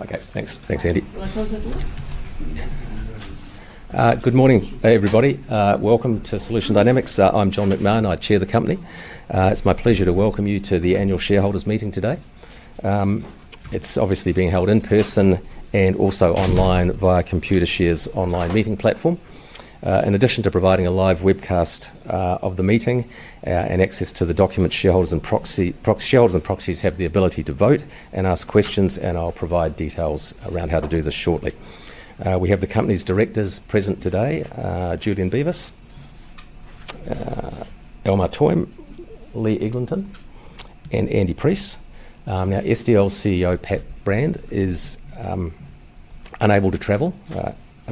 Okay, thanks. Thanks, Andy. Good morning, everybody. Welcome to Solution Dynamics. I'm John McMahon. I chair the company. It's my pleasure to welcome you to the annual shareholders meeting today. It's obviously being held in person and also online via ComputerShare's online meeting platform. In addition to providing a live webcast of the meeting and access to the documents, shareholders and proxies have the ability to vote and ask questions, and I'll provide details around how to do this shortly. We have the company's directors present today: Julian Beavis, Elmar Toyn, Lee Eglinton, and Andy Preece. Now, SDL CEO Pat Brand is unable to travel,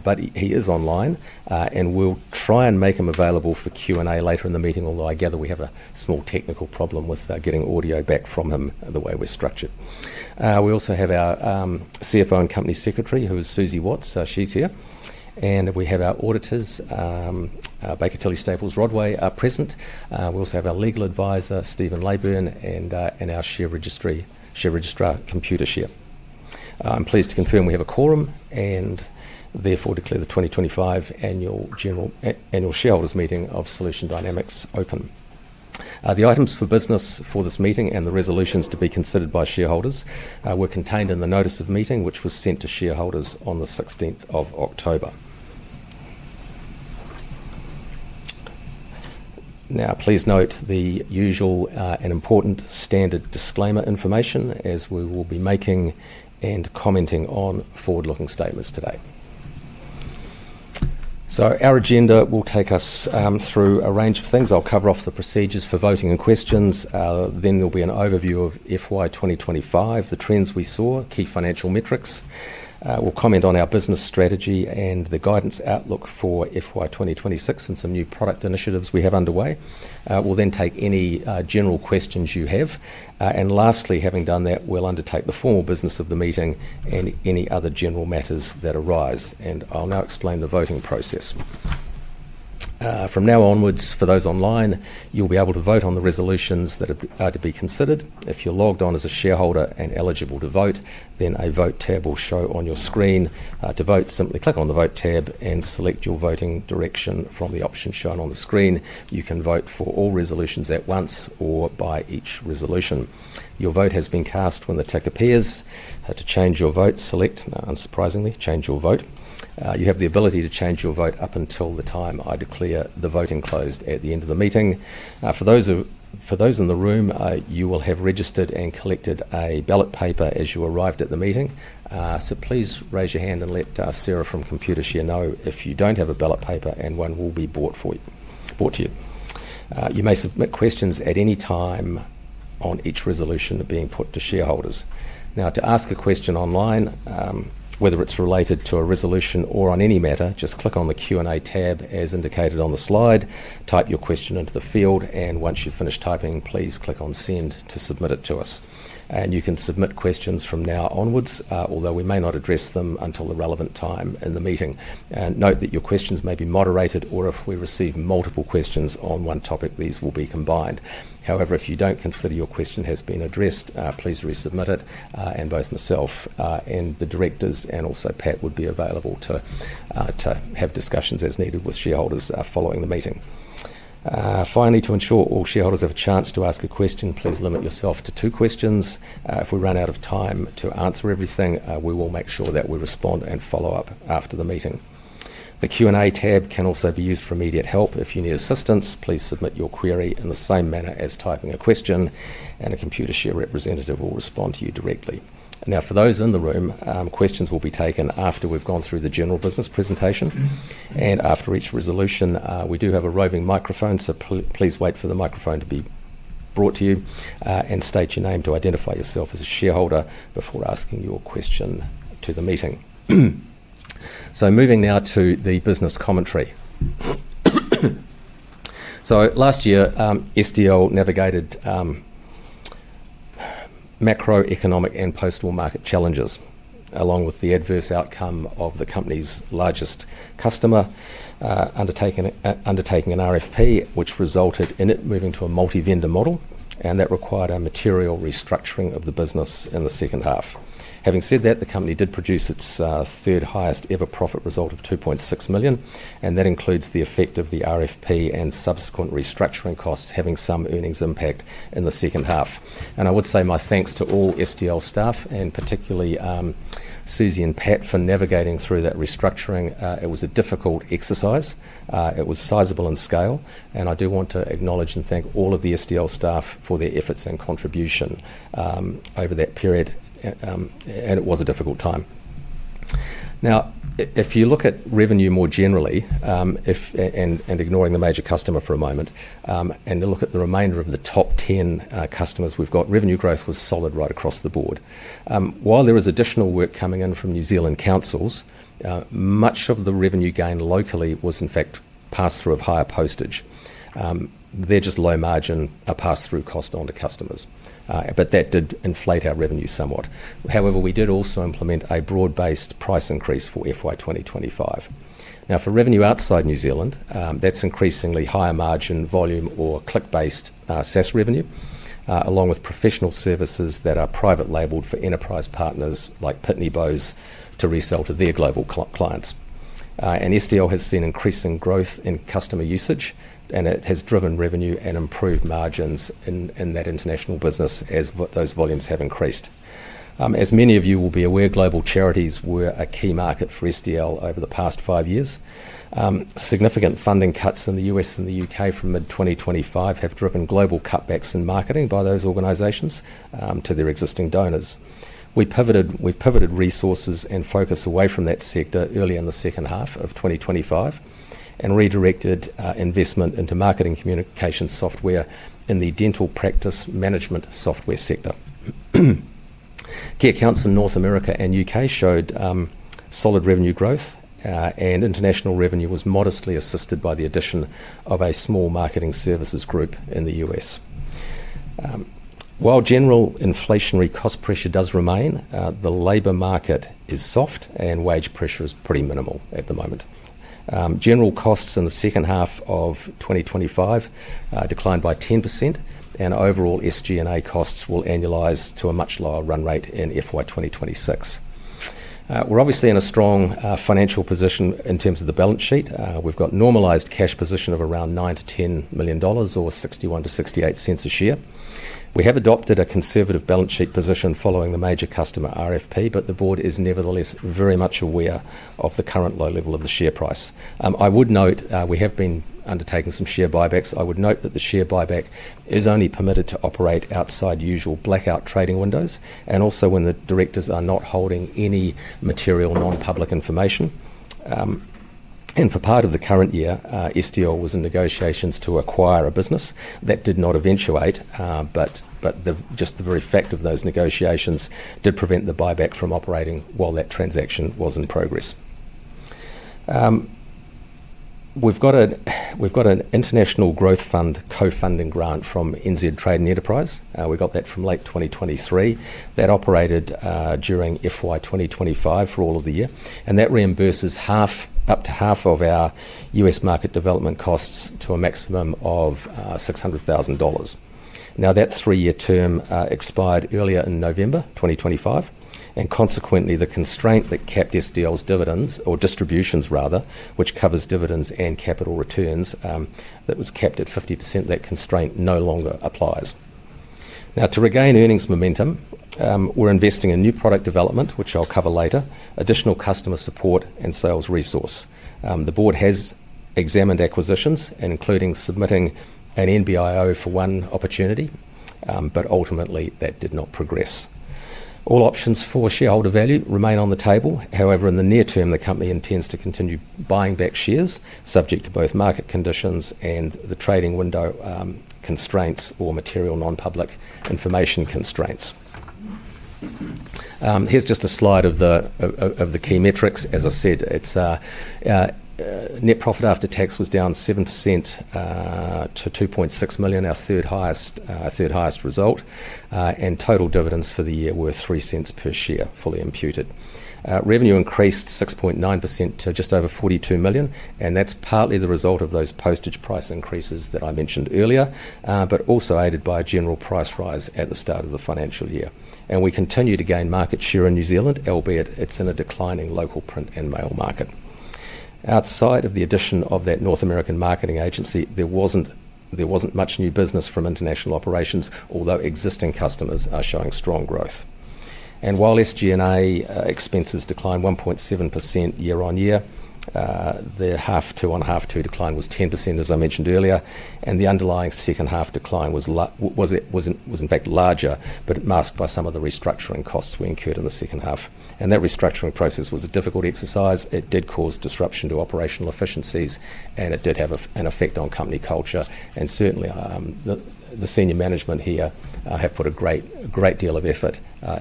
but he is online, and we'll try and make him available for Q&A later in the meeting, although I gather we have a small technical problem with getting audio back from him the way we're structured. We also have our CFO and company secretary, who is Susie Watts. She's here. We have our auditors, Baker Tilly Staples Rodway, present. We also have our legal advisor, Stephen Labern, and our share registrar ComputerShare. I'm pleased to confirm we have a quorum and therefore declare the 2025 annual shareholders meeting of Solution Dynamics open. The items for business for this meeting and the resolutions to be considered by shareholders were contained in the notice of meeting, which was sent to shareholders on the 16th of October. Please note the usual and important standard disclaimer information, as we will be making and commenting on forward-looking statements today. Our agenda will take us through a range of things. I'll cover off the procedures for voting and questions. There will be an overview of FY 2025, the trends we saw, key financial metrics. We'll comment on our business strategy and the guidance outlook for FY 2026 and some new product initiatives we have underway. We'll then take any general questions you have. Lastly, having done that, we'll undertake the formal business of the meeting and any other general matters that arise. I'll now explain the voting process. From now onwards, for those online, you'll be able to vote on the resolutions that are to be considered. If you're logged on as a shareholder and eligible to vote, then a vote tab will show on your screen. To vote, simply click on the vote tab and select your voting direction from the option shown on the screen. You can vote for all resolutions at once or by each resolution. Your vote has been cast when the tick appears. To change your vote, select—unsurprisingly—Change Your Vote. You have the ability to change your vote up until the time I declare the voting closed at the end of the meeting. For those in the room, you will have registered and collected a ballot paper as you arrived at the meeting. Please raise your hand and let Sarah from ComputerShare know if you do not have a ballot paper and one will be brought to you. You may submit questions at any time on each resolution being put to shareholders. To ask a question online, whether it is related to a resolution or on any matter, just click on the Q&A tab as indicated on the slide, type your question into the field, and once you have finished typing, please click on Send to submit it to us. You can submit questions from now onwards, although we may not address them until the relevant time in the meeting. Note that your questions may be moderated, or if we receive multiple questions on one topic, these will be combined. However, if you do not consider your question has been addressed, please resubmit it, and both myself and the directors and also Pat would be available to have discussions as needed with shareholders following the meeting. Finally, to ensure all shareholders have a chance to ask a question, please limit yourself to two questions. If we run out of time to answer everything, we will make sure that we respond and follow up after the meeting. The Q&A tab can also be used for immediate help. If you need assistance, please submit your query in the same manner as typing a question, and a ComputerShare representative will respond to you directly. Now, for those in the room, questions will be taken after we've gone through the general business presentation and after each resolution. We do have a roving microphone, so please wait for the microphone to be brought to you and state your name to identify yourself as a shareholder before asking your question to the meeting. Moving now to the business commentary. Last year, SDL navigated macroeconomic and post-war market challenges along with the adverse outcome of the company's largest customer undertaking an RFP, which resulted in it moving to a multi-vendor model, and that required a material restructuring of the business in the second half. Having said that, the company did produce its third-highest-ever profit result of 2.6 million, and that includes the effect of the RFP and subsequent restructuring costs having some earnings impact in the second half. I would say my thanks to all SDL staff, and particularly Susie and Pat, for navigating through that restructuring. It was a difficult exercise. It was sizable in scale, and I do want to acknowledge and thank all of the SDL staff for their efforts and contribution over that period, and it was a difficult time. Now, if you look at revenue more generally, and ignoring the major customer for a moment, and look at the remainder of the top 10 customers we have got, revenue growth was solid right across the board. While there was additional work coming in from New Zealand councils, much of the revenue gain locally was, in fact, pass-through of higher postage. They are just low-margin pass-through cost onto customers, but that did inflate our revenue somewhat. However, we did also implement a broad-based price increase for FY 2025. Now, for revenue outside New Zealand, that's increasingly higher-margin volume or click-based SaaS revenue, along with professional services that are private labeled for enterprise partners like Pitney Bowes to resell to their global clients. SDL has seen increasing growth in customer usage, and it has driven revenue and improved margins in that international business as those volumes have increased. As many of you will be aware, global charities were a key market for SDL over the past five years. Significant funding cuts in the U.S. and the U.K. from mid-2025 have driven global cutbacks in marketing by those organizations to their existing donors. We've pivoted resources and focus away from that sector early in the second half of 2025 and redirected investment into marketing communication software in the dental practice management software sector. Key accounts in North America and U.K. showed solid revenue growth, and international revenue was modestly assisted by the addition of a small marketing services group in the U.S. While general inflationary cost pressure does remain, the labor market is soft, and wage pressure is pretty minimal at the moment. General costs in the second half of 2025 declined by 10%, and overall SG&A costs will annualize to a much lower run rate in FY 2026. We're obviously in a strong financial position in terms of the balance sheet. We've got normalized cash position of around 9 million-10 million dollars or 0.61-0.68 a share. We have adopted a conservative balance sheet position following the major customer RFP, but the board is nevertheless very much aware of the current low level of the share price. I would note we have been undertaking some share buybacks. I would note that the share buyback is only permitted to operate outside usual blackout trading windows and also when the directors are not holding any material non-public information. For part of the current year, SDL was in negotiations to acquire a business. That did not eventuate, but just the very fact of those negotiations did prevent the buyback from operating while that transaction was in progress. We've got an international growth fund co-funding grant from NZ Trade and Enterprise. We got that from late 2023. That operated during FY 2025 for all of the year, and that reimburses up to half of our U.S. market development costs to a maximum of 600,000 dollars. Now, that three-year term expired earlier in November 2025, and consequently, the constraint that kept SDL's dividends or distributions, rather, which covers dividends and capital returns, that was kept at 50%. That constraint no longer applies. Now, to regain earnings momentum, we're investing in new product development, which I'll cover later, additional customer support, and sales resource. The board has examined acquisitions, including submitting an NBIO for one opportunity, but ultimately, that did not progress. All options for shareholder value remain on the table. However, in the near term, the company intends to continue buying back shares, subject to both market conditions and the trading window constraints or material non-public information constraints. Here's just a slide of the key metrics. As I said, net profit after tax was down 7% to 2.6 million, our third-highest result, and total dividends for the year were 0.03 per share, fully imputed. Revenue increased 6.9% to just over 42 million, and that's partly the result of those postage price increases that I mentioned earlier, but also aided by a general price rise at the start of the financial year. We continue to gain market share in New Zealand, albeit it's in a declining local print and mail market. Outside of the addition of that North American marketing agency, there wasn't much new business from international operations, although existing customers are showing strong growth. While SG&A expenses declined 1.7% year-on-year, their half to one-half to decline was 10%, as I mentioned earlier, and the underlying second half decline was, in fact, larger, but masked by some of the restructuring costs we incurred in the second half. That restructuring process was a difficult exercise. It did cause disruption to operational efficiencies, and it did have an effect on company culture. Certainly, the senior management here have put a great deal of effort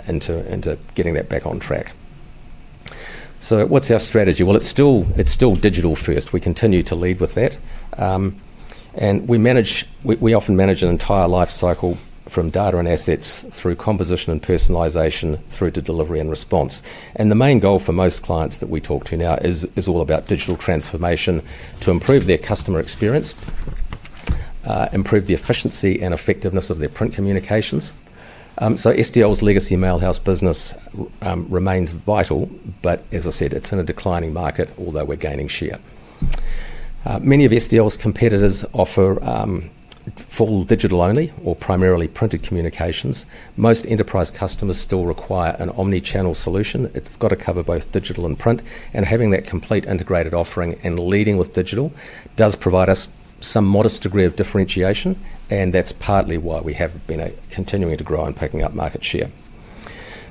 into getting that back on track. What's our strategy? It's still digital-first. We continue to lead with that. We often manage an entire life cycle from data and assets through composition and personalisation through to delivery and response. The main goal for most clients that we talk to now is all about digital transformation to improve their customer experience, improve the efficiency and effectiveness of their print communications. SDL's legacy mailhouse business remains vital, but as I said, it is in a declining market, although we are gaining share. Many of SDL's competitors offer full digital-only or primarily printed communications. Most enterprise customers still require an omnichannel solution. It has to cover both digital and print, and having that complete integrated offering and leading with digital does provide us some modest degree of differentiation, and that is partly why we have been continuing to grow and picking up market share.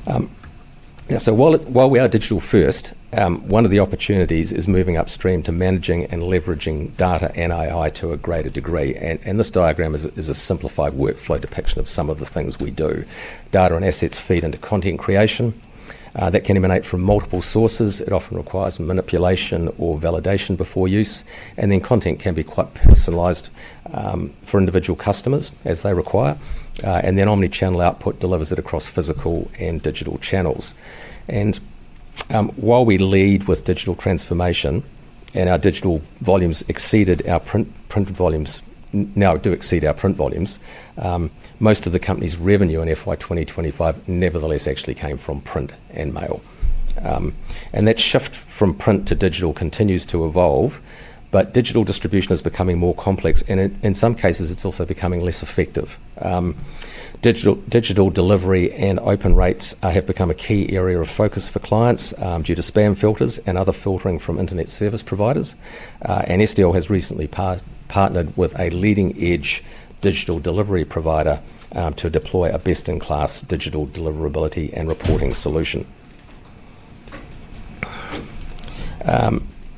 While we are digital-first, one of the opportunities is moving upstream to managing and leveraging data and AI to a greater degree. This diagram is a simplified workflow depiction of some of the things we do. Data and assets feed into content creation. That can emanate from multiple sources. It often requires manipulation or validation before use. Content can be quite personalised for individual customers as they require. Omnichannel output delivers it across physical and digital channels. While we lead with digital transformation and our digital volumes exceeded our print volumes, now our digital volumes do exceed our print volumes. Most of the company's revenue in FY 2025 nevertheless actually came from print and mail. That shift from print to digital continues to evolve, but digital distribution is becoming more complex, and in some cases, it is also becoming less effective. Digital delivery and open rates have become a key area of focus for clients due to spam filters and other filtering from internet service providers. SDL has recently partnered with a leading-edge digital delivery provider to deploy a best-in-class digital deliverability and reporting solution.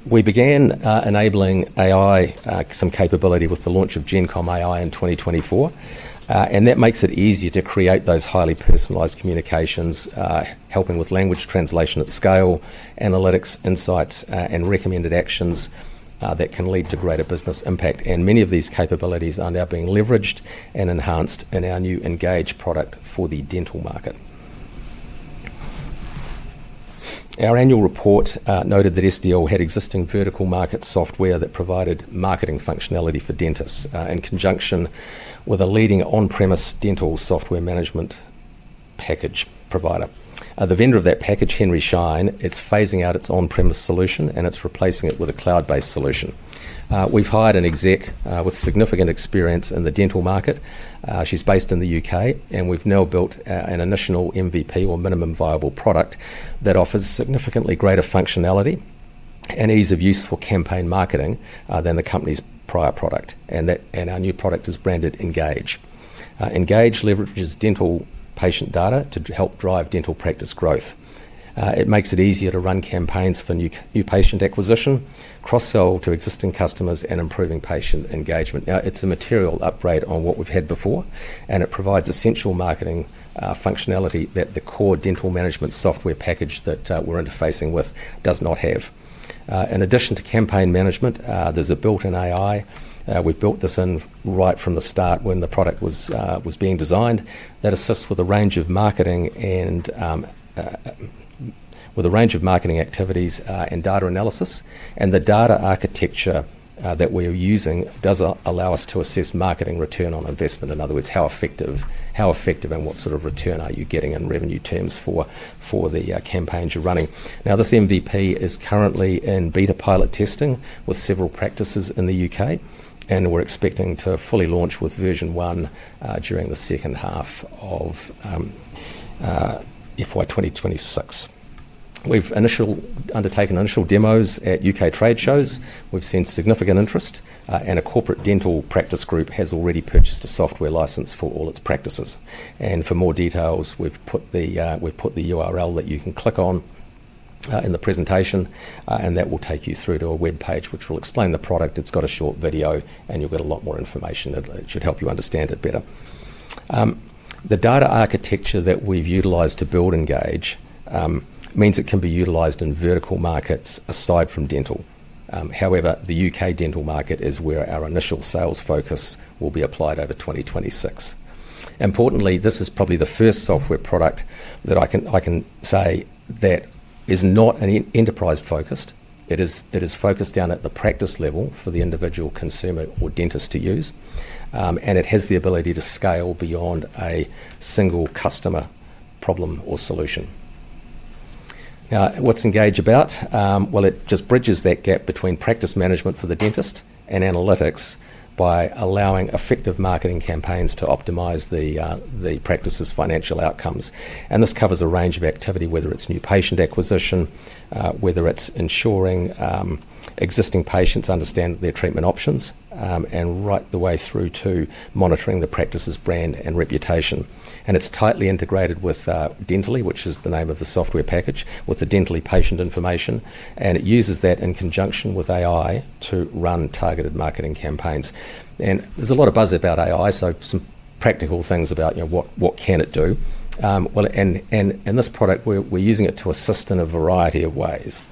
We began enabling AI capability with the launch of GenComm AI in 2024, and that makes it easier to create those highly personalised communications, helping with language translation at scale, analytics, insights, and recommended actions that can lead to greater business impact. Many of these capabilities are now being leveraged and enhanced in our new Engage product for the dental market. Our annual report noted that SDL had existing vertical market software that provided marketing functionality for dentists in conjunction with a leading on-premise dental software management package provider. The vendor of that package, Henry Schein, is phasing out its on-premise solution, and it's replacing it with a cloud-based solution. We've hired an exec with significant experience in the dental market. She's based in the U.K., and we've now built an additional MVP or minimum viable product that offers significantly greater functionality and ease of use for campaign marketing than the company's prior product. Our new product is branded Engage. Engage leverages dental patient data to help drive dental practice growth. It makes it easier to run campaigns for new patient acquisition, cross-sell to existing customers, and improving patient engagement. It is a material upgrade on what we've had before, and it provides essential marketing functionality that the core dental management software package that we're interfacing with does not have. In addition to campaign management, there's a built-in AI. We've built this in right from the start when the product was being designed. That assists with a range of marketing activities and data analysis. The data architecture that we are using does allow us to assess marketing return on investment. In other words, how effective and what sort of return are you getting in revenue terms for the campaigns you're running? This MVP is currently in beta pilot testing with several practices in the U.K., and we're expecting to fully launch with version one during the second half of FY 2026. We've undertaken initial demos at U.K. trade shows. We've seen significant interest, and a corporate dental practice group has already purchased a software license for all its practices. For more details, we've put the URL that you can click on in the presentation, and that will take you through to a webpage which will explain the product. It's got a short video, and you'll get a lot more information. It should help you understand it better. The data architecture that we've utilised to build Engage means it can be utilised in vertical markets aside from dental. However, the U.K. dental market is where our initial sales focus will be applied over 2026. Importantly, this is probably the first software product that I can say that is not enterprise-focused. It is focused down at the practice level for the individual consumer or dentist to use, and it has the ability to scale beyond a single customer problem or solution. Now, what's Engage about? It just bridges that gap between practice management for the dentist and analytics by allowing effective marketing campaigns to optimize the practice's financial outcomes. This covers a range of activity, whether it's new patient acquisition, whether it's ensuring existing patients understand their treatment options, and right the way through to monitoring the practice's brand and reputation. It's tightly integrated with Dentally, which is the name of the software package, with the Dentally patient information, and it uses that in conjunction with AI to run targeted marketing campaigns. There's a lot of buzz about AI, so some practical things about what can it do. In this product, we're using it to assist in a variety of ways: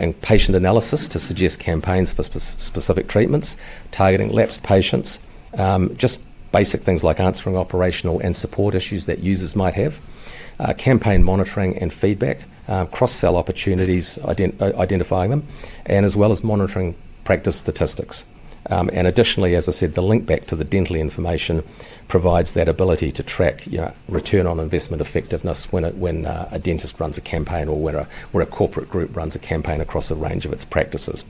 in patient analysis to suggest campaigns for specific treatments, targeting lapse patients, just basic things like answering operational and support issues that users might have, campaign monitoring and feedback, cross-sell opportunities, identifying them, as well as monitoring practice statistics. Additionally, as I said, the link back to the Dentally information provides that ability to track return on investment effectiveness when a dentist runs a campaign or when a corporate group runs a campaign across a range of its practices.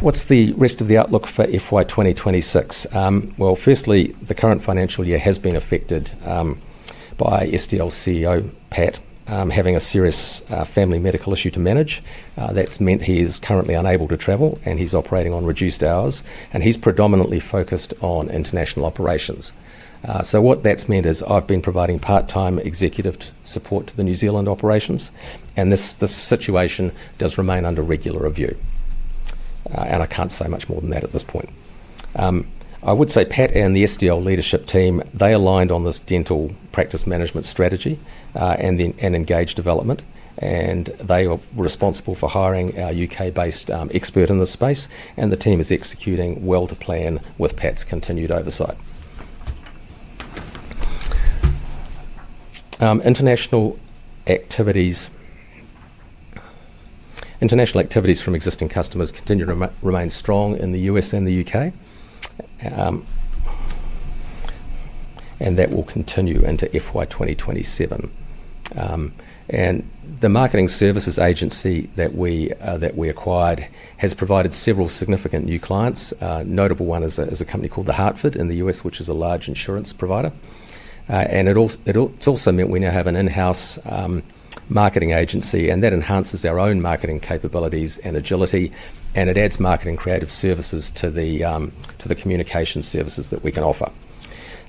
What's the rest of the outlook for FY 2026? Firstly, the current financial year has been affected by SDL's CEO, Pat, having a serious family medical issue to manage. That has meant he is currently unable to travel, and he's operating on reduced hours, and he's predominantly focused on international operations. What that has meant is I've been providing part-time executive support to the New Zealand operations, and this situation does remain under regular review. I can't say much more than that at this point. I would say Pat and the SDL leadership team, they aligned on this dental practice management strategy and Engage development, and they are responsible for hiring our U.K.-based expert in this space, and the team is executing well to plan with Pat's continued oversight. International activities from existing customers continue to remain strong in the U.S. and the U.K., and that will continue into FY 2027. The marketing services agency that we acquired has provided several significant new clients. A notable one is a company called The Hartford in the U.S., which is a large insurance provider. It is also meant we now have an in-house marketing agency, and that enhances our own marketing capabilities and agility, and it adds marketing creative services to the communication services that we can offer.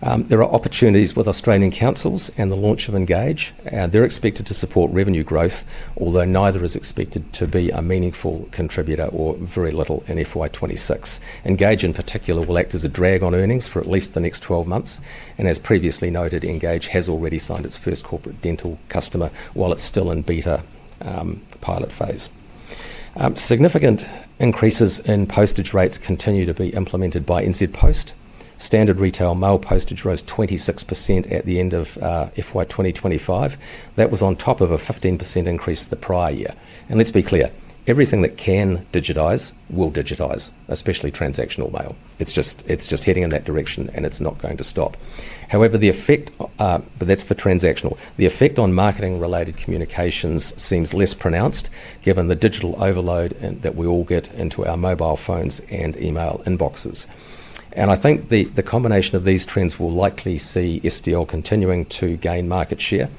There are opportunities with Australian councils and the launch of Engage. They are expected to support revenue growth, although neither is expected to be a meaningful contributor or very little in FY 2026. Engage, in particular, will act as a drag on earnings for at least the next 12 months. As previously noted, Engage has already signed its first corporate dental customer while it is still in beta pilot phase. Significant increases in postage rates continue to be implemented by NZ Post. Standard retail mail postage rose 26% at the end of FY 2025. That was on top of a 15% increase the prior year. Let's be clear, everything that can digitize will digitize, especially transactional mail. It's just heading in that direction, and it's not going to stop. However, the effect—that's for transactional—the effect on marketing-related communications seems less pronounced given the digital overload that we all get into our mobile phones and email inboxes. I think the combination of these trends will likely see SDL continuing to gain market share,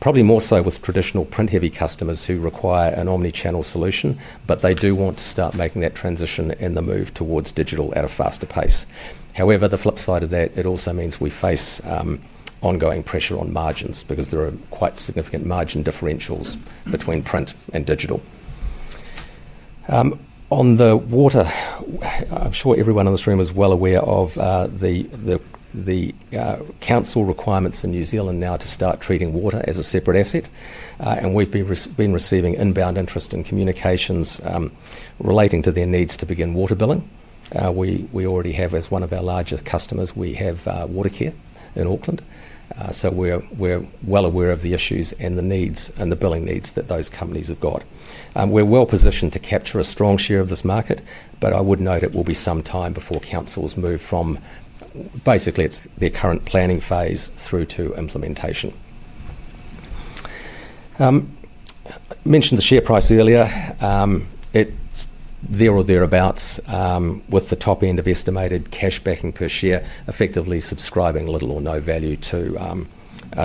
probably more so with traditional print-heavy customers who require an omnichannel solution, but they do want to start making that transition and the move towards digital at a faster pace. However, the flip side of that, it also means we face ongoing pressure on margins because there are quite significant margin differentials between print and digital. On the water, I'm sure everyone in this room is well aware of the council requirements in New Zealand now to start treating water as a separate asset. We've been receiving inbound interest in communications relating to their needs to begin water billing. We already have, as one of our larger customers, Watercare in Auckland. We're well aware of the issues and the needs and the billing needs that those companies have got. We're well positioned to capture a strong share of this market, but I would note it will be some time before councils move from basically their current planning phase through to implementation. I mentioned the share price earlier. It's there or thereabouts with the top end of estimated cash backing per share, effectively subscribing little or no value to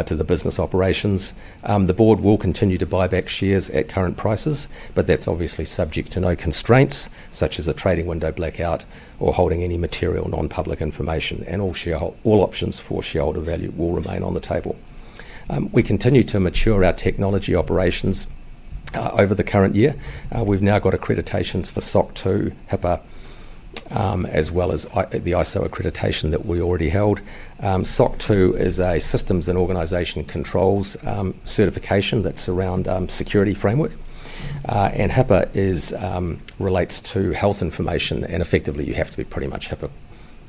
the business operations. The board will continue to buy back shares at current prices, but that's obviously subject to no constraints, such as a trading window blackout or holding any material non-public information. All options for shareholder value will remain on the table. We continue to mature our technology operations over the current year. We've now got accreditations for SOC 2, HIPAA, as well as the ISO accreditation that we already held. SOC 2 is a systems and organization controls certification that's around security framework. HIPAA relates to health information, and effectively, you have to be pretty much HIPAA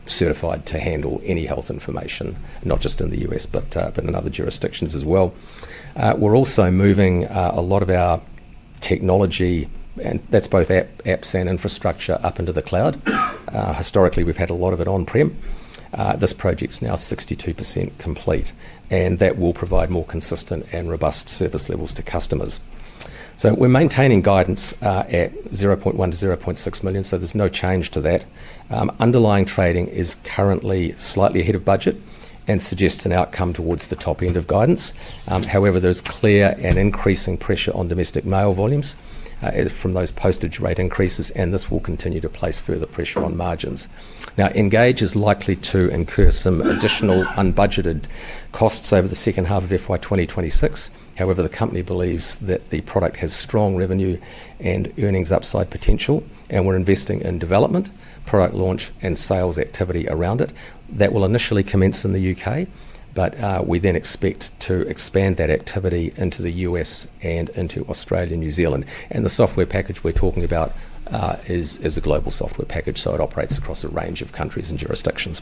certified to handle any health information, not just in the U.S., but in other jurisdictions as well. We're also moving a lot of our technology, and that's both apps and infrastructure, up into the cloud. Historically, we've had a lot of it on-prem. This project's now 62% complete, and that will provide more consistent and robust service levels to customers. We are maintaining guidance at 0.1 million-0.6 million, so there's no change to that. Underlying trading is currently slightly ahead of budget and suggests an outcome towards the top end of guidance. However, there's clear and increasing pressure on domestic mail volumes from those postage rate increases, and this will continue to place further pressure on margins. Engage is likely to incur some additional unbudgeted costs over the second half of FY 2026. However, the company believes that the product has strong revenue and earnings upside potential, and we are investing in development, product launch, and sales activity around it. That will initially commence in the U.K., but we then expect to expand that activity into the U.S. and into Australia and New Zealand. The software package we're talking about is a global software package, so it operates across a range of countries and jurisdictions.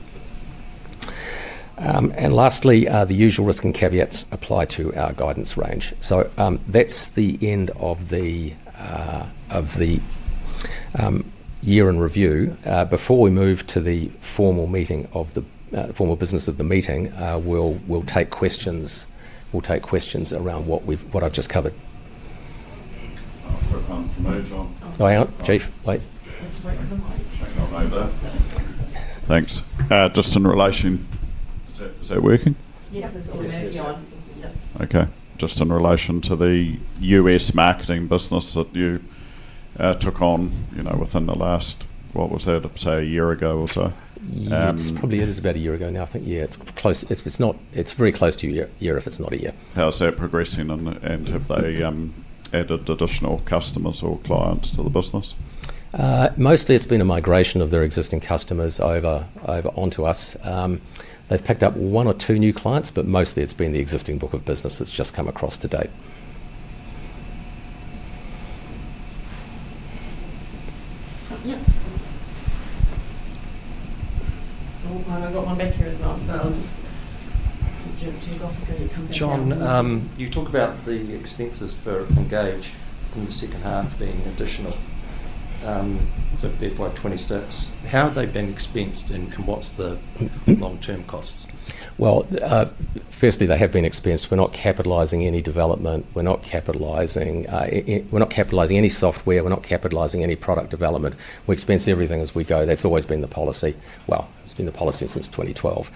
Lastly, the usual risk and caveats apply to our guidance range. That's the end of the year in review. Before we move to the formal business of the meeting, we'll take questions around what I've just covered. Thanks. Just in relation—is that working? Okay. Just in relation to the U.S. marketing business that you took on within the last—what was that?—say a year ago, or so? It's probably—it is about a year ago now. I think, yeah, it's very close to a year if it's not a year. How's that progressing, and have they added additional customers or clients to the business? Mostly, it's been a migration of their existing customers over onto us. They've picked up one or two new clients, but mostly, it's been the existing book of business that's just come across to date. I've got one back here as well, so I'll just jump to you, and then you come back. John, you talk about the expenses for Engage in the second half being additional with FY 2026. How have they been expensed, and what's the long-term costs? Firstly, they have been expensed. We're not capitalizing any development. We're not capitalizing any software. We're not capitalizing any product development. We expense everything as we go. That's always been the policy. It's been the policy since 2012.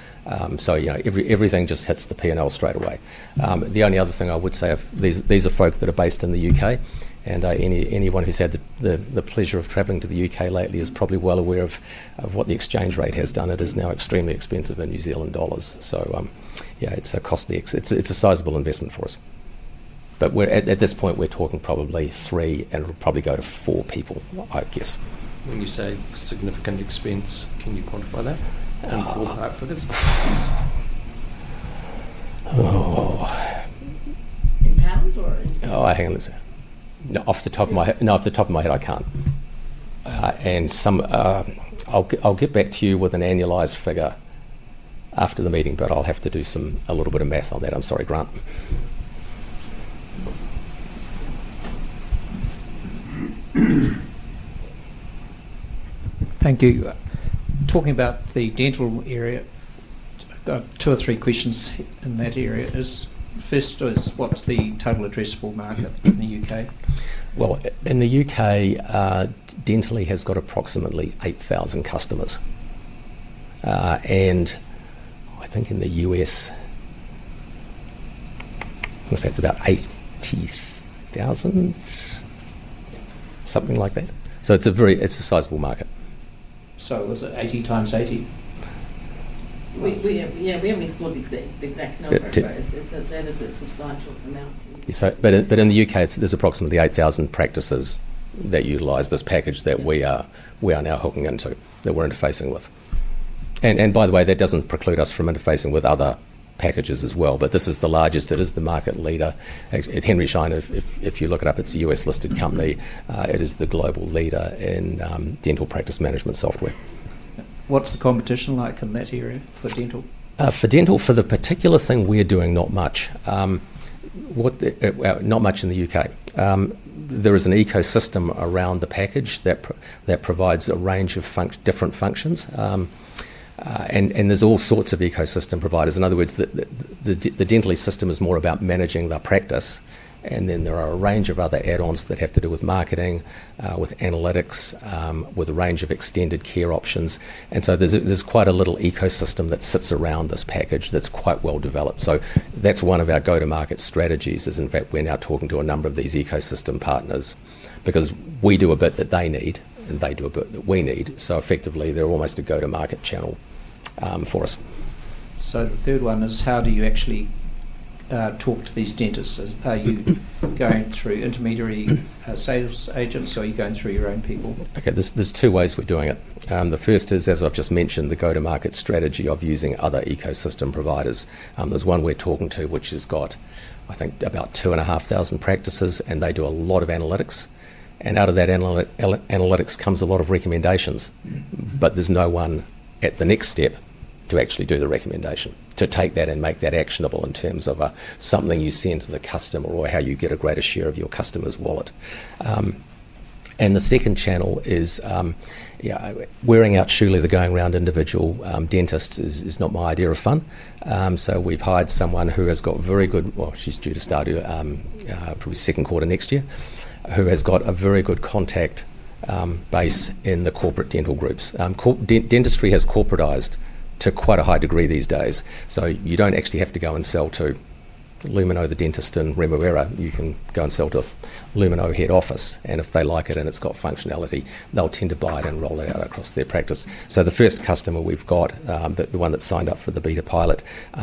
Everything just hits the P&L straight away. The only other thing I would say, these are folk that are based in the U.K., and anyone who's had the pleasure of traveling to the U.K. lately is probably well aware of what the exchange rate has done. It is now extremely expensive in New Zealand dollars. It's a sizable investment for us. At this point, we're talking probably three and will probably go to four people, I guess. When you say significant expense, can you quantify that? For this? Oh, hang on a second. No, off the top of my head, I can't. I'll get back to you with an annualized figure after the meeting, but I'll have to do a little bit of math on that. I'm sorry, Grant. Thank you. Talking about the dental area, I've got two or three questions in that area. First is, what's the total addressable market in the U.K.? In the U.K., Dentally has got approximately 8,000 customers. I think in the U.S., I'm going to say it's about 80,000, something like that. It is a sizable market. Was it 80 times 80? Yeah, we haven't explored the exact number, but that is a substantial amount. In the U.K., there's approximately 8,000 practices that utilize this package that we are now hooking into, that we're interfacing with. By the way, that doesn't preclude us from interfacing with other packages as well, but this is the largest. It is the market leader. At Henry Schein, if you look it up, it's a U.S.-listed company. It is the global leader in dental practice management software. What's the competition like in that area for dental? For dental, for the particular thing we're doing, not much. Not much in the U.K. There is an ecosystem around the package that provides a range of different functions. There are all sorts of ecosystem providers. In other words, the Dentally system is more about managing the practice. There are a range of other add-ons that have to do with marketing, with analytics, with a range of extended care options. There is quite a little ecosystem that sits around this package that's quite well developed. One of our go-to-market strategies is, in fact, we're now talking to a number of these ecosystem partners because we do a bit that they need, and they do a bit that we need. Effectively, they're almost a go-to-market channel for us. The third one is, how do you actually talk to these dentists? Are you going through intermediary sales agents, or are you going through your own people? Okay, there's two ways we're doing it. The first is, as I've just mentioned, the go-to-market strategy of using other ecosystem providers. There's one we're talking to, which has got, I think, about 2,500 practices, and they do a lot of analytics. Out of that analytics comes a lot of recommendations, but there's no one at the next step to actually do the recommendation, to take that and make that actionable in terms of something you send to the customer or how you get a greater share of your customer's wallet. The second channel is, surely the going-round individual dentists is not my idea of fun. We've hired someone who has got very good—she's due to start probably second quarter next year—who has got a very good contact base in the corporate dental groups. Dentistry has corporatised to quite a high degree these days. You do not actually have to go and sell to Lumineux, the dentist in Remuera. You can go and sell to Lumineux head office. If they like it and it has got functionality, they will tend to buy it and roll it out across their practice. The first customer we have got, the one that signed up for the beta pilot,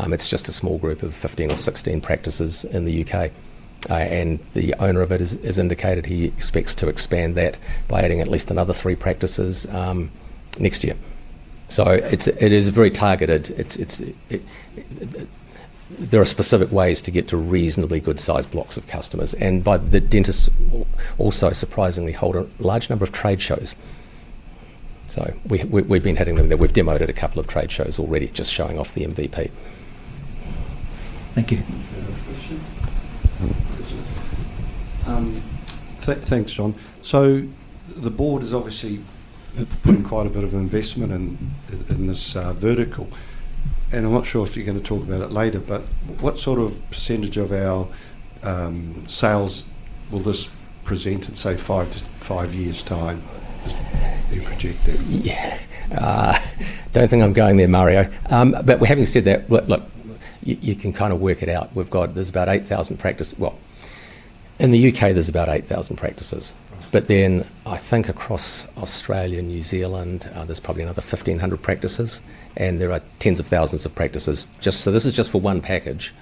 is just a small group of 15 or 16 practices in the U.K. The owner of it has indicated he expects to expand that by adding at least another three practices next year. It is very targeted. There are specific ways to get to reasonably good size blocks of customers. The dentists also surprisingly hold a large number of trade shows. We have been hitting them. We have demoed at a couple of trade shows already, just showing off the MVP. Thank you. Question? Thanks, John. The board has obviously put in quite a bit of investment in this vertical. I'm not sure if you're going to talk about it later, but what sort of percentage of our sales will this present in, say, five years' time? Do you project that? Yeah. I do not think I am going there, Mario. Having said that, look, you can kind of work it out. There are about 8,000 practices. In the U.K., there are about 8,000 practices. I think across Australia and New Zealand, there are probably another 1,500 practices. There are tens of thousands of practices. This is just for one package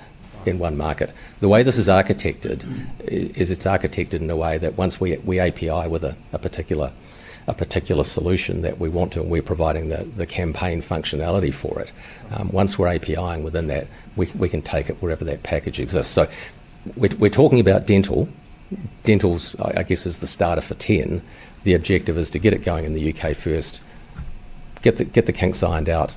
in one market. The way this is architected is it is architected in a way that once we API with a particular solution that we want to, and we are providing the campaign functionality for it, once we are APIing within that, we can take it wherever that package exists. We are talking about dental. Dental, I guess, is the starter for 10. The objective is to get it going in the U.K. first, get the kinks ironed out,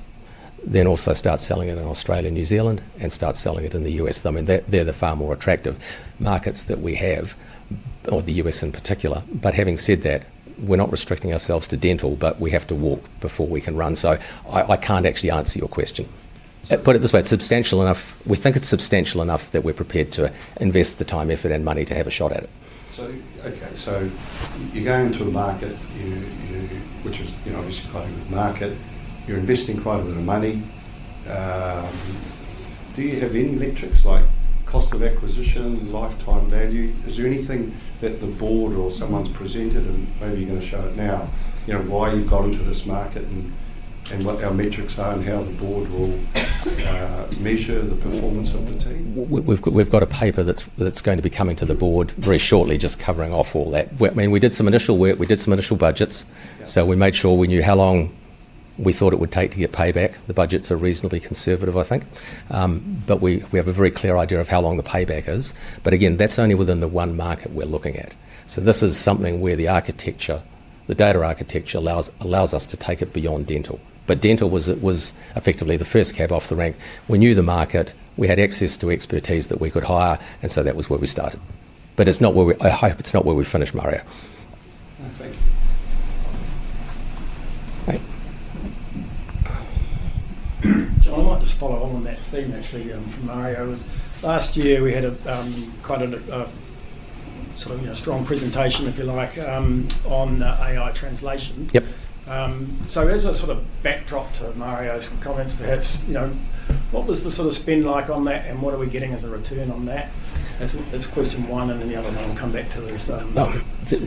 then also start selling it in Australia and New Zealand, and start selling it in the U.S. I mean, they're the far more attractive markets that we have, or the U.S. in particular. Having said that, we're not restricting ourselves to dental, but we have to walk before we can run. I can't actually answer your question. Put it this way, it's substantial enough. We think it's substantial enough that we're prepared to invest the time, effort, and money to have a shot at it. Okay. You're going to a market, which is obviously quite a good market. You're investing quite a bit of money. Do you have any metrics, like cost of acquisition, lifetime value? Is there anything that the board or someone's presented, and maybe you're going to show it now, why you've gone into this market and what our metrics are and how the board will measure the performance of the team? We've got a paper that's going to be coming to the board very shortly, just covering off all that. I mean, we did some initial work. We did some initial budgets. So we made sure we knew how long we thought it would take to get payback. The budgets are reasonably conservative, I think. We have a very clear idea of how long the payback is. Again, that's only within the one market we're looking at. This is something where the architecture, the data architecture allows us to take it beyond dental. Dental was effectively the first cab off the ramp. We knew the market. We had access to expertise that we could hire, and that was where we started. I hope it's not where we finished, Mario. Thank you. John, I might just follow on on that theme, actually, from Mario. Last year, we had quite a sort of strong presentation, if you like, on AI translation. As a sort of backdrop to Mario's comments, perhaps, what was the sort of spend like on that, and what are we getting as a return on that? That's question one, and then the other one I'll come back to is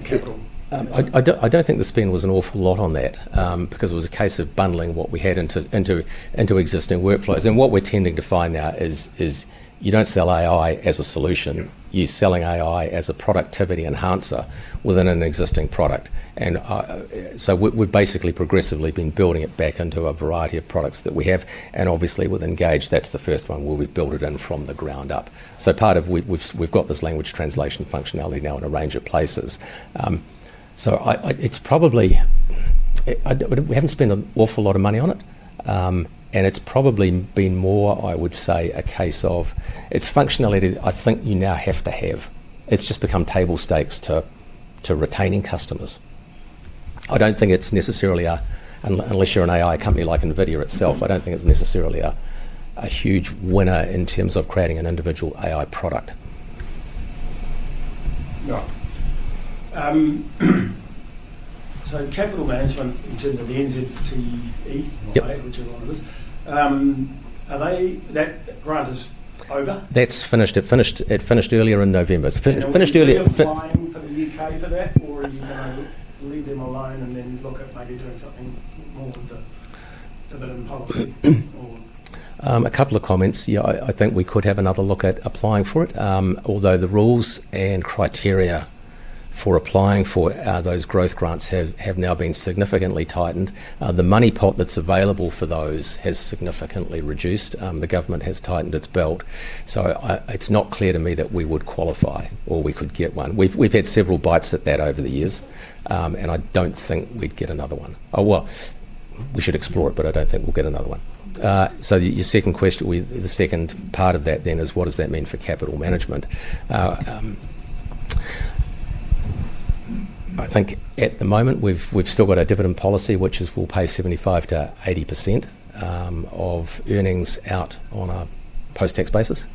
capital. I don't think the spend was an awful lot on that because it was a case of bundling what we had into existing workflows. What we're tending to find now is you don't sell AI as a solution. You're selling AI as a productivity enhancer within an existing product. We've basically progressively been building it back into a variety of products that we have. Obviously, with Engage, that's the first one where we've built it in from the ground up. Part of we've got this language translation functionality now in a range of places. We haven't spent an awful lot of money on it. It's probably been more, I would say, a case of it's functionality I think you now have to have. It's just become table stakes to retaining customers. I don't think it's necessarily a—unless you're an AI company like Nvidia itself, I don't think it's necessarily a huge winner in terms of creating an individual AI product. Capital management in terms of the NZTE, whichever one it is, that grant is over? That's finished. It finished earlier in November. It finished earlier. Are you applying for the U.K. for that, or are you going to leave them alone and then look at maybe doing something more with the middle policy? A couple of comments. Yeah, I think we could have another look at applying for it. Although the rules and criteria for applying for those growth grants have now been significantly tightened, the money pot that's available for those has significantly reduced. The government has tightened its belt. It's not clear to me that we would qualify or we could get one. We've had several bites at that over the years, and I don't think we'd get another one. Oh, well, we should explore it, but I don't think we'll get another one. The second part of that then is, what does that mean for capital management? I think at the moment, we've still got our dividend policy, which is we'll pay 75%-80% of earnings out on a post-tax basis.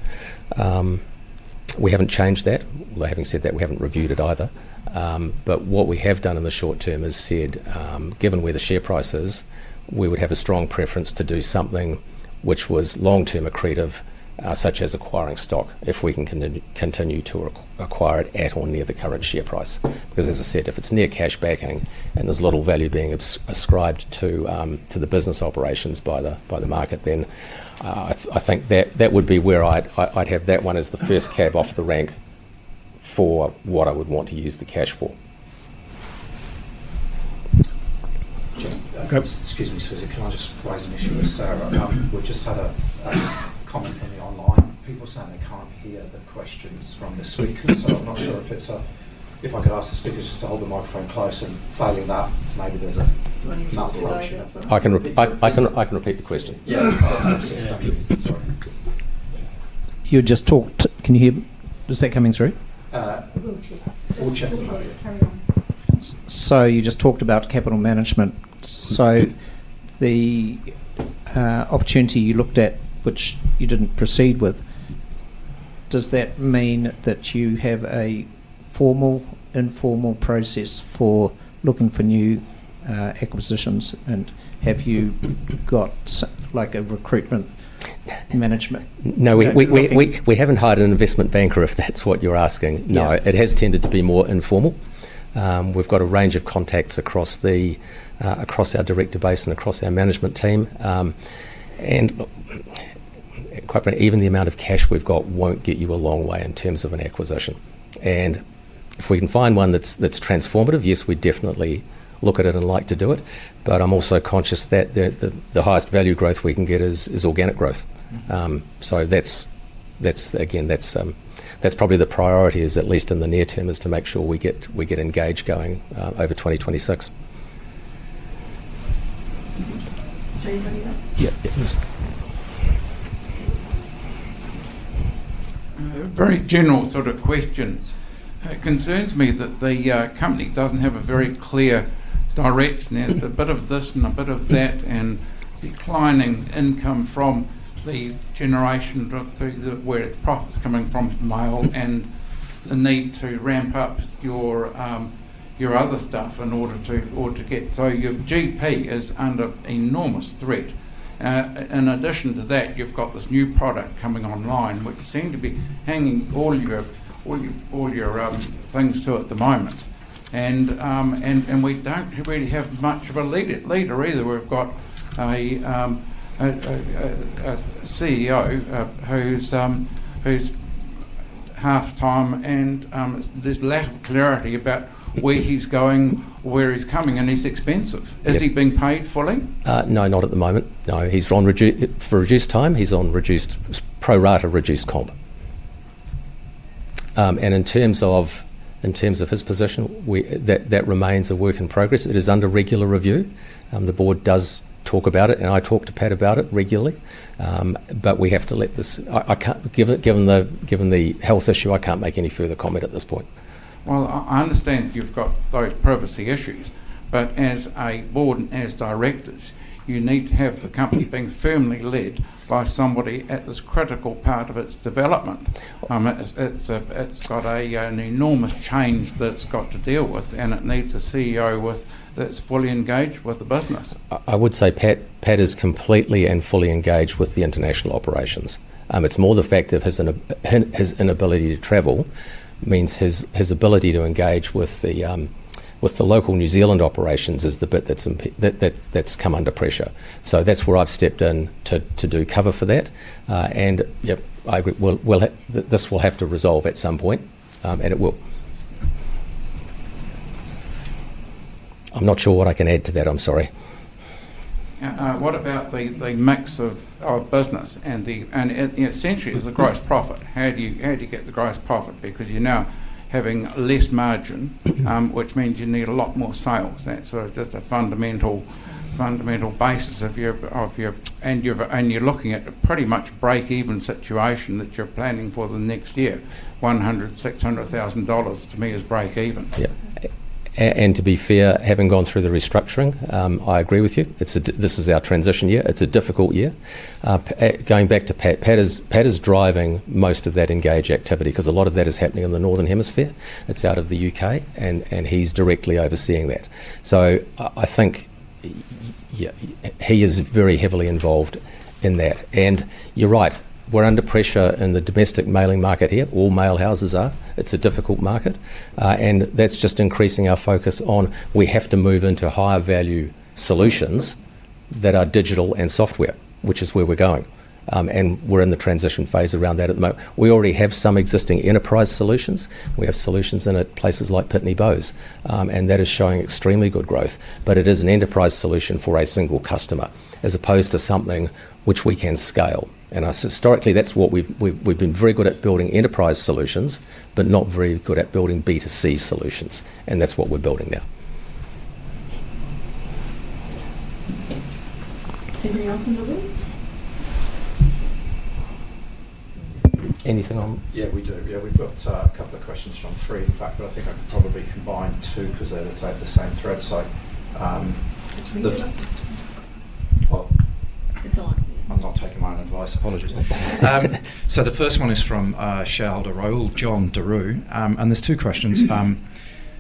We haven't changed that. Although having said that, we haven't reviewed it either. What we have done in the short term is said, given where the share price is, we would have a strong preference to do something which was long-term accretive, such as acquiring stock if we can continue to acquire it at or near the current share price. Because as I said, if it is near cash backing and there is a little value being ascribed to the business operations by the market, then I think that would be where I would have that one as the first cab off the ramp for what I would want to use the cash for. Excuse me, Susie. Can I just raise an issue with Sarah? We just had a comment from the online. People are saying they can't hear the questions from the speakers. I'm not sure if I could ask the speakers just to hold the microphone close. Failing that, maybe there's a malfunction. I can repeat the question. Yeah. Absolutely. Thank you. Sorry. You just talked. Can you hear? Is that coming through? We'll check. You just talked about capital management. The opportunity you looked at, which you did not proceed with, does that mean that you have a formal or informal process for looking for new acquisitions? Have you got a recruitment management? No, we haven't hired an investment banker if that's what you're asking. No, it has tended to be more informal. We've got a range of contacts across our director base and across our management team. Even the amount of cash we've got won't get you a long way in terms of an acquisition. If we can find one that's transformative, yes, we'd definitely look at it and like to do it. I'm also conscious that the highest value growth we can get is organic growth. Again, that's probably the priority, at least in the near term, is to make sure we get Engage going over 2026. Very general sort of question. It concerns me that the company doesn't have a very clear direction. It's a bit of this and a bit of that and declining income from the generation where profit's coming from mail and the need to ramp up your other stuff in order to get—so your GP is under enormous threat. In addition to that, you've got this new product coming online, which seem to be hanging all your things to at the moment. We don't really have much of a leader either. We've got a CEO who's half-time, and there's lack of clarity about where he's going, where he's coming, and he's expensive. Is he being paid fully? No, not at the moment. No. For reduced time, he's on reduced pro rata reduced comp. In terms of his position, that remains a work in progress. It is under regular review. The board does talk about it, and I talk to Pat about it regularly. We have to let this, given the health issue, I can't make any further comment at this point. I understand you've got those privacy issues. But as a board and as directors, you need to have the company being firmly led by somebody at this critical part of its development. It's got an enormous change that it's got to deal with, and it needs a CEO that's fully engaged with the business. I would say Pat is completely and fully engaged with the international operations. It's more the fact of his inability to travel means his ability to engage with the local New Zealand operations is the bit that's come under pressure. That's where I've stepped in to do cover for that. Yeah, this will have to resolve at some point, and it will. I'm not sure what I can add to that. I'm sorry. What about the mix of business? Essentially, it's the gross profit. How do you get the gross profit? Because you're now having less margin, which means you need a lot more sales. That's sort of just a fundamental basis of your—and you're looking at a pretty much break-even situation that you're planning for the next year. 100,000-600,000 dollars to me is break-even. Yeah. To be fair, having gone through the restructuring, I agree with you. This is our transition year. It's a difficult year. Going back to Pat, Pat is driving most of that Engage activity because a lot of that is happening in the northern hemisphere. It's out of the U.K., and he's directly overseeing that. I think he is very heavily involved in that. You're right. We're under pressure in the domestic mailing market here. All mailhouses are. It's a difficult market. That is just increasing our focus on we have to move into higher value solutions that are digital and software, which is where we're going. We're in the transition phase around that at the moment. We already have some existing enterprise solutions. We have solutions in places like Pitney Bowes, and that is showing extremely good growth. It is an enterprise solution for a single customer as opposed to something which we can scale. Historically, that's what we've been very good at, building enterprise solutions, but not very good at building B2C solutions. That's what we're building now. Anything else in the room? Anything on? Yeah, we do. Yeah, we've got a couple of questions from three, in fact. I think I could probably combine two because they're at the same thread. I'm not taking my own advice. Apologies. The first one is from Shareholder Role, John Derroux. There are two questions.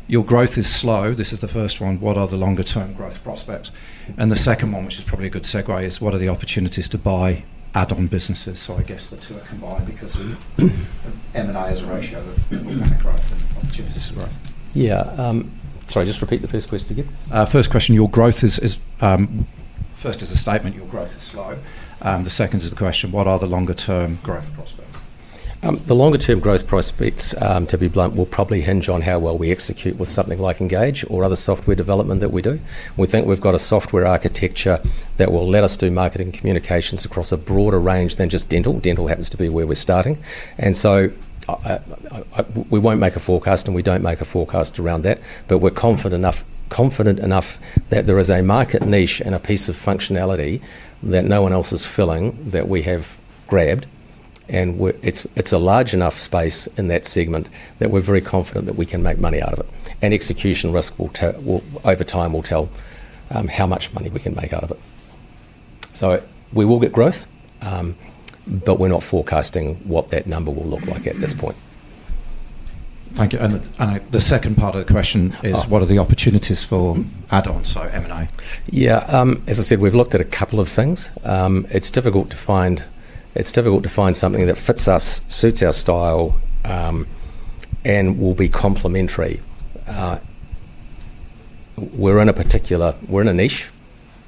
Your growth is slow. This is the first one. What are the longer-term growth prospects? The second one, which is probably a good segue, is what are the opportunities to buy add-on businesses? I guess the two are combined because M&A is a ratio of organic growth and opportunities to growth. Yeah. Sorry, just repeat the first question again. First question, your growth is—first is a statement, your growth is slow. The second is the question, what are the longer-term growth prospects? The longer-term growth prospects, to be blunt, will probably hinge on how well we execute with something like Engage or other software development that we do. We think we've got a software architecture that will let us do marketing communications across a broader range than just dental. Dental happens to be where we're starting. We won't make a forecast, and we don't make a forecast around that. We're confident enough that there is a market niche and a piece of functionality that no one else is filling that we have grabbed. It's a large enough space in that segment that we're very confident that we can make money out of it. Execution risk, over time, will tell how much money we can make out of it. We will get growth, but we're not forecasting what that number will look like at this point. Thank you. The second part of the question is, what are the opportunities for add-on, so M&A? Yeah. As I said, we've looked at a couple of things. It's difficult to find, it's difficult to find something that fits us, suits our style, and will be complementary. We're in a particular, we're in a niche.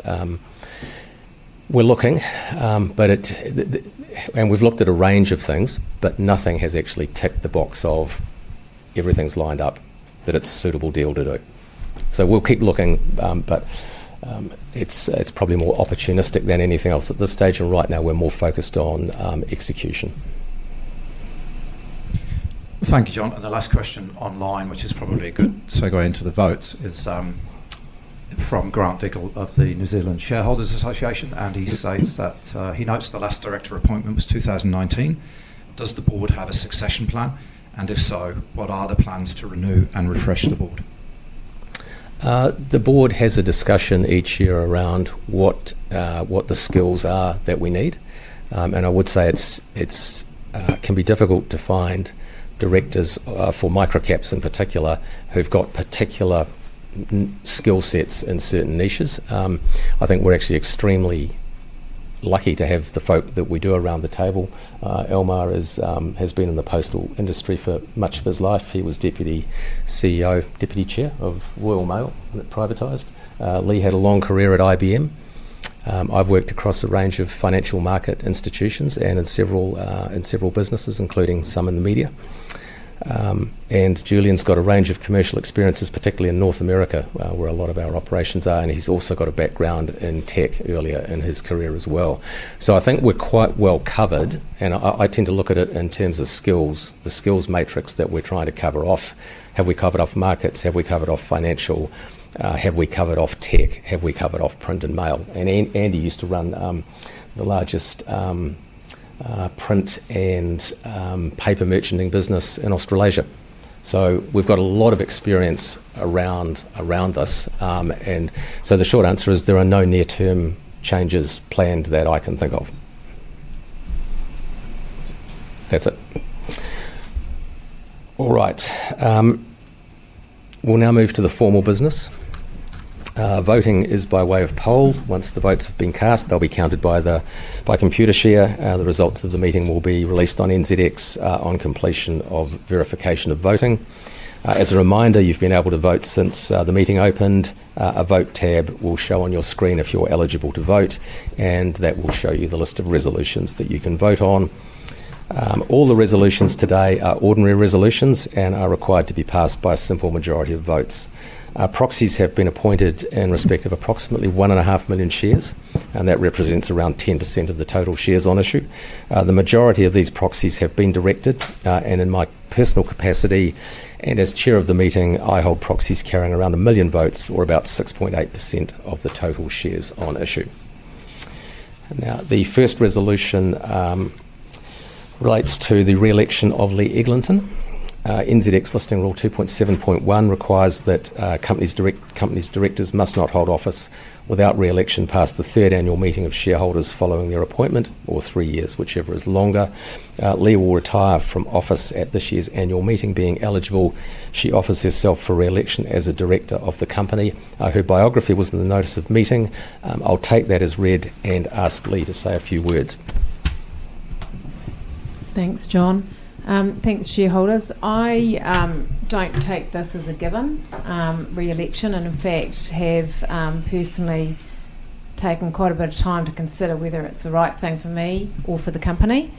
We're looking, and we've looked at a range of things, but nothing has actually ticked the box of everything's lined up that it's a suitable deal to do. We'll keep looking, but it's probably more opportunistic than anything else at this stage. Right now, we're more focused on execution. Thank you, John. The last question online, which is probably a good segue into the votes, is from Grant Diggle of the New Zealand Shareholders Association. He says that he notes the last director appointment was 2019. Does the board have a succession plan? If so, what are the plans to renew and refresh the board? The board has a discussion each year around what the skills are that we need. I would say it can be difficult to find directors for microcaps in particular who've got particular skill sets in certain niches. I think we're actually extremely lucky to have the folk that we do around the table. Elmar has been in the postal industry for much of his life. He was Deputy CEO, Deputy Chair of Royal Mail when it privatized. Lee had a long career at IBM. I've worked across a range of financial market institutions and in several businesses, including some in the media. Julian's got a range of commercial experiences, particularly in North America, where a lot of our operations are. He's also got a background in tech earlier in his career as well. I think we're quite well covered. I tend to look at it in terms of skills, the skills matrix that we're trying to cover off. Have we covered off markets? Have we covered off financial? Have we covered off tech? Have we covered off print and mail? Andy used to run the largest print and paper merchanting business in Australasia. We have a lot of experience around this. The short answer is there are no near-term changes planned that I can think of. That's it. All right. We will now move to the formal business. Voting is by way of poll. Once the votes have been cast, they will be counted by Computershare. The results of the meeting will be released on NZX on completion of verification of voting. As a reminder, you have been able to vote since the meeting opened. A vote tab will show on your screen if you're eligible to vote, and that will show you the list of resolutions that you can vote on. All the resolutions today are ordinary resolutions and are required to be passed by a simple majority of votes. Proxies have been appointed in respect of approximately 1.5 million shares, and that represents around 10% of the total shares on issue. The majority of these proxies have been directed. In my personal capacity, and as Chair of the meeting, I hold proxies carrying around 1 million votes or about 6.8% of the total shares on issue. Now, the first resolution relates to the re-election of Lee Eglinton. NZX Listing Rule 2.7.1 requires that companies' directors must not hold office without re-election past the third annual meeting of shareholders following their appointment or three years, whichever is longer. Lee will retire from office at this year's annual meeting, being eligible. She offers herself for re-election as a director of the company. Her biography was in the notice of meeting. I'll take that as read and ask Lee to say a few words. Thanks, John. Thanks, shareholders. I don't take this as a given, re-election, and in fact, have personally taken quite a bit of time to consider whether it's the right thing for me or for the company.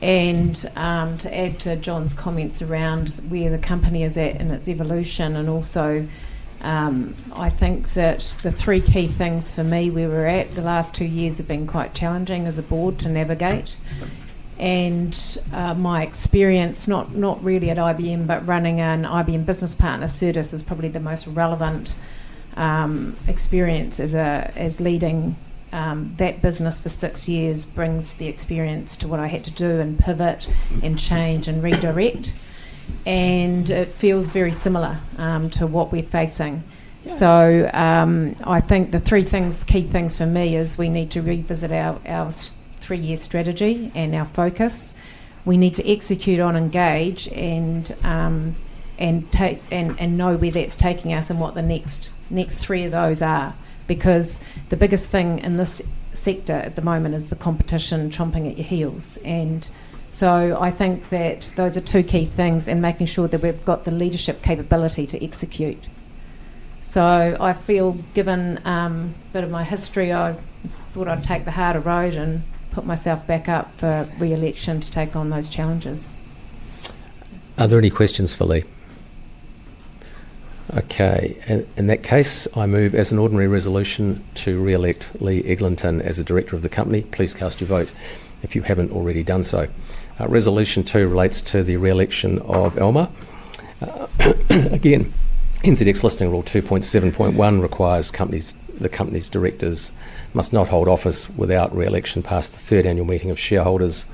To add to John's comments around where the company is at and its evolution, I think that the three key things for me where we're at the last two years have been quite challenging as a board to navigate. My experience, not really at IBM, but running an IBM business partner service, is probably the most relevant experience as leading that business for six years brings the experience to what I had to do and pivot and change and redirect. It feels very similar to what we're facing. I think the three key things for me is we need to revisit our three-year strategy and our focus. We need to execute on Engage and know where that's taking us and what the next three of those are because the biggest thing in this sector at the moment is the competition trumping at your heels. I think that those are two key things and making sure that we've got the leadership capability to execute. I feel, given a bit of my history, I thought I'd take the harder road and put myself back up for re-election to take on those challenges. Are there any questions for Lee? Okay. In that case, I move as an ordinary resolution to re-elect Lee Eglinton as the director of the company. Please cast your vote if you have not already done so. Resolution two relates to the re-election of Elmar. Again, NZX Listing Rule 2.7.1 requires the company's directors must not hold office without re-election past the third annual meeting of shareholders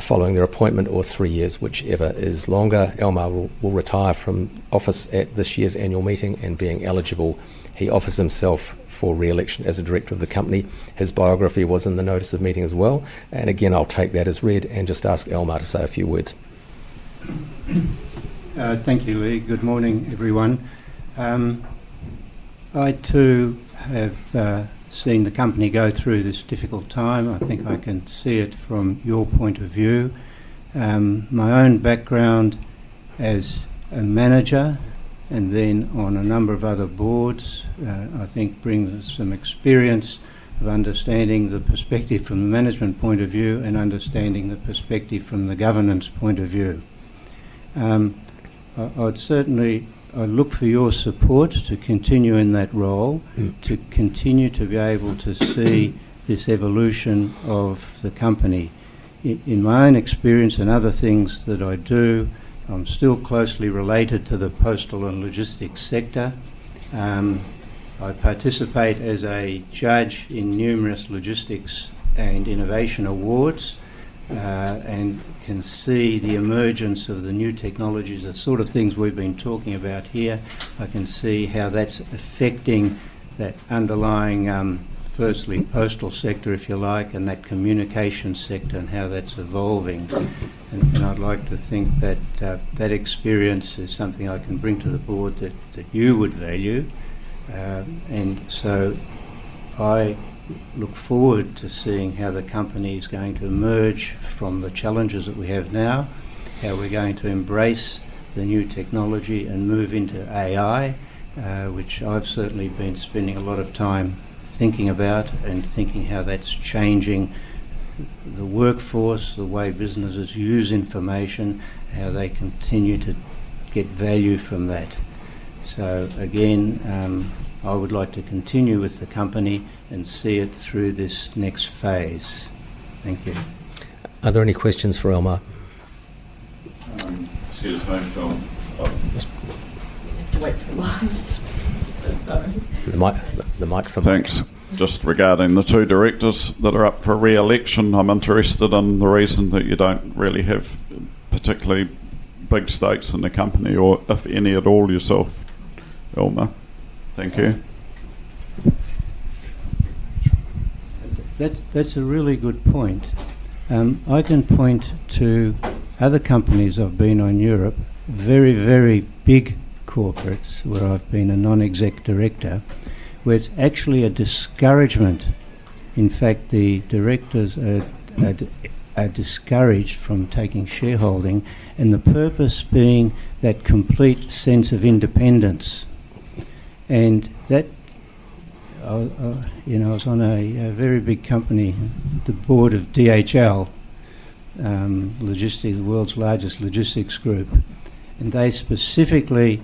following their appointment or three years, whichever is longer. Elmar will retire from office at this year's annual meeting and, being eligible, he offers himself for re-election as a director of the company. His biography was in the notice of meeting as well. I will take that as read and just ask Elmar to say a few words. Thank you, Lee. Good morning, everyone. I too have seen the company go through this difficult time. I think I can see it from your point of view. My own background as a manager and then on a number of other boards, I think, brings some experience of understanding the perspective from the management point of view and understanding the perspective from the governance point of view. I'd certainly look for your support to continue in that role, to continue to be able to see this evolution of the company. In my own experience and other things that I do, I'm still closely related to the postal and logistics sector. I participate as a judge in numerous logistics and innovation awards and can see the emergence of the new technologies, the sort of things we've been talking about here. I can see how that's affecting that underlying, firstly, postal sector, if you like, and that communication sector and how that's evolving. I would like to think that that experience is something I can bring to the board that you would value. I look forward to seeing how the company is going to emerge from the challenges that we have now, how we're going to embrace the new technology and move into AI, which I've certainly been spending a lot of time thinking about and thinking how that's changing the workforce, the way businesses use information, how they continue to get value from that. I would like to continue with the company and see it through this next phase. Thank you. Are there any questions for Elmar? Excuse a moment, John. Thanks. Just regarding the two directors that are up for re-election, I'm interested in the reason that you don't really have particularly big stakes in the company or, if any at all, yourself, Elmar. Thank you. That's a really good point. I can point to other companies I've been on, Europe, very, very big corporates where I've been a non-exec director, where it's actually a discouragement. In fact, the directors are discouraged from taking shareholding, and the purpose being that complete sense of independence. I was on a very big company, the board of DHL, the world's largest logistics group. They specifically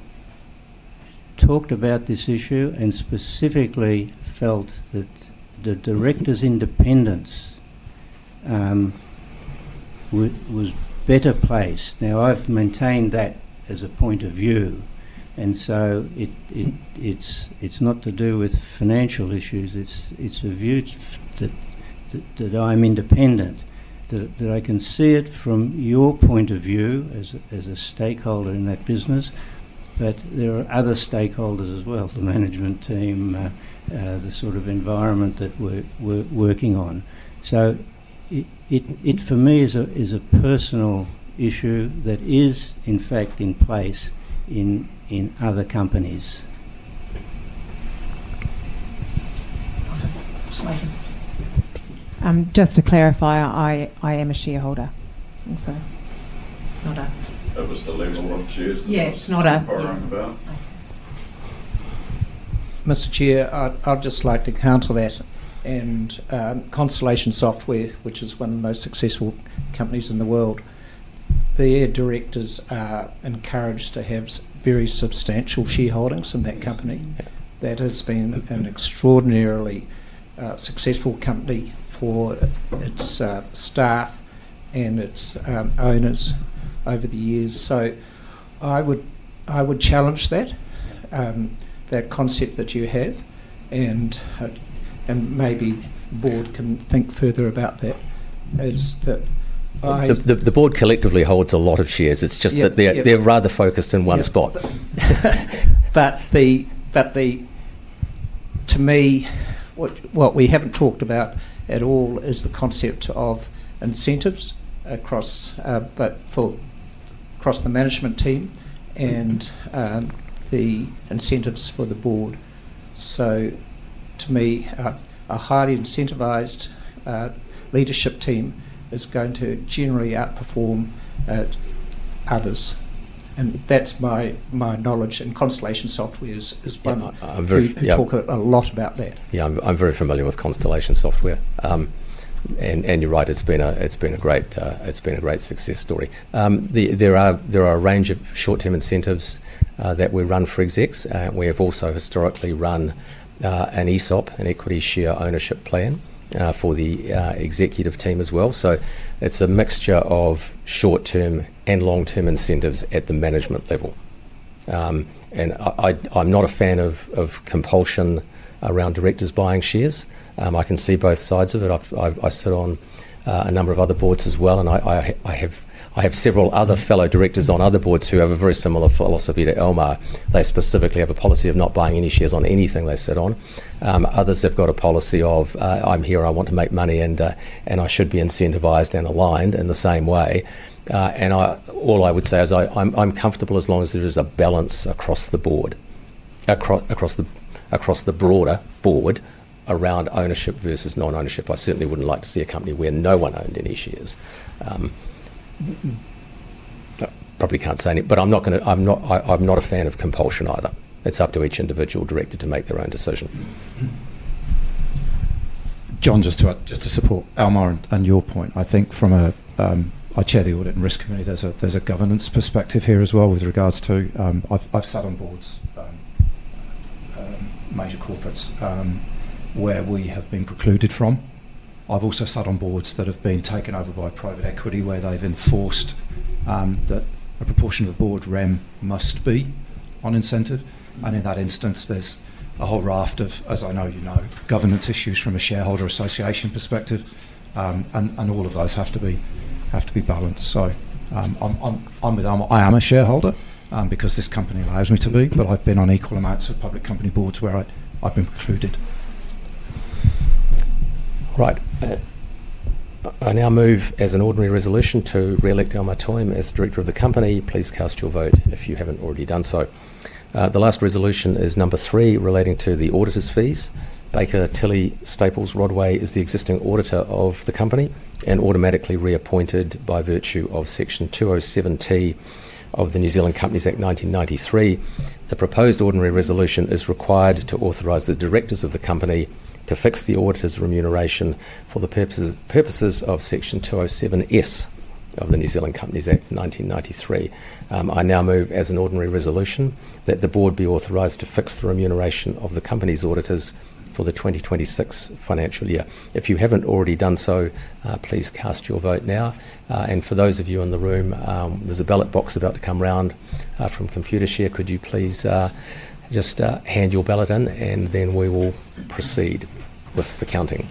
talked about this issue and specifically felt that the director's independence was better placed. I've maintained that as a point of view. It's not to do with financial issues. It's a view that I'm independent, that I can see it from your point of view as a stakeholder in that business, but there are other stakeholders as well, the management team, the sort of environment that we're working on. It, for me, is a personal issue that is, in fact, in place in other companies. Just to clarify, I am a shareholder also. Not a. That was the level of shares Yeah. Mr. Chair, I'd just like to counter that. Constellation Software, which is one of the most successful companies in the world, their directors are encouraged to have very substantial shareholdings in that company. That has been an extraordinarily successful company for its staff and its owners over the years. I would challenge that, that concept that you have. Maybe the board can think further about that. The board collectively holds a lot of shares. It's just that they're rather focused in one spot. To me, what we haven't talked about at all is the concept of incentives across the management team and the incentives for the board. To me, a highly incentivized leadership team is going to generally outperform others. That's my knowledge. Constellation Software is one that you talk a lot about that. Yeah, I'm very familiar with Constellation Software. You're right. It's been a great success story. There are a range of short-term incentives that we run for execs. We have also historically run an ESOP, an equity share ownership plan, for the executive team as well. It's a mixture of short-term and long-term incentives at the management level. I'm not a fan of compulsion around directors buying shares. I can see both sides of it. I sit on a number of other boards as well. I have several other fellow directors on other boards who have a very similar philosophy to Elmar. They specifically have a policy of not buying any shares on anything they sit on. Others have got a policy of, "I'm here. I want to make money, and I should be incentivized and aligned in the same way. All I would say is I'm comfortable as long as there is a balance across the board, across the broader board around ownership versus non-ownership. I certainly wouldn't like to see a company where no one owned any shares. I probably can't say anything, but I'm not a fan of compulsion either. It's up to each individual director to make their own decision. John, just to support Elmar on your point, I think from a, I chair the Audit and Risk Committee. There's a governance perspective here as well with regards to, I've sat on boards, major corporates, where we have been precluded from. I've also sat on boards that have been taken over by private equity where they've enforced that a proportion of the board realm must be on incentive. In that instance, there's a whole raft of, as I know you know, governance issues from a shareholder association perspective. All of those have to be balanced. I'm with Elmar. I am a shareholder because this company allows me to be, but I've been on equal amounts of public company boards where I've been precluded. All right. I now move, as an ordinary resolution, to re-elect Elmar Toime as director of the company. Please cast your vote if you haven't already done so. The last resolution is number three relating to the auditor's fees. Baker Tilly Staples Rodway is the existing auditor of the company and automatically reappointed by virtue of Section 207(t) of the New Zealand Companies Act 1993. The proposed ordinary resolution is required to authorize the directors of the company to fix the auditor's remuneration for the purposes of Section 207(s) of the New Zealand Companies Act 1993. I now move, as an ordinary resolution, that the board be authorized to fix the remuneration of the company's auditors for the 2026 financial year. If you haven't already done so, please cast your vote now. For those of you in the room, there is a ballot box about to come round from Computershare. Could you please just hand your ballot in, and then we will proceed with the counting.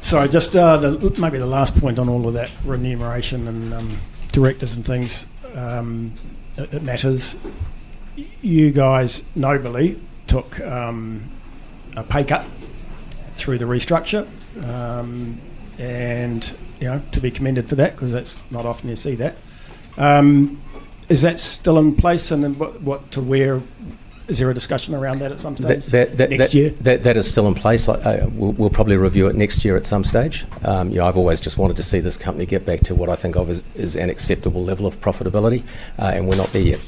Sorry, just maybe the last point on all of that remuneration and directors and things, it matters. You guys nobly took a pay cut through the restructure and to be commended for that because that's not often you see that. Is that still in place? What to where? Is there a discussion around that at some stage next year? That is still in place. We'll probably review it next year at some stage. I've always just wanted to see this company get back to what I think of as an acceptable level of profitability, and we're not there yet.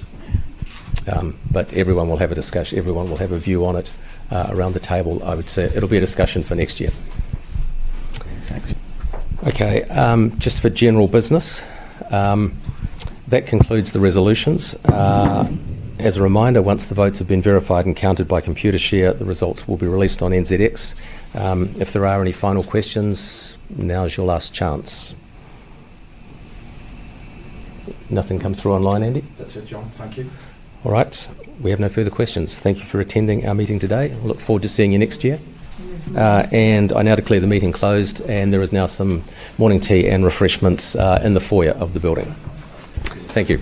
Everyone will have a discussion. Everyone will have a view on it around the table, I would say. It'll be a discussion for next year. Thanks. Okay. Just for general business, that concludes the resolutions. As a reminder, once the votes have been verified and counted by Computershare, the results will be released on NZX. If there are any final questions, now is your last chance. Nothing comes through online, Andy. That's it, John. Thank you. All right. We have no further questions. Thank you for attending our meeting today. Look forward to seeing you next year. I now declare the meeting closed, and there is now some morning tea and refreshments in the foyer of the building. Thank you.